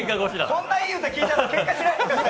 こんないい歌、聴いたのにけんかしないでください。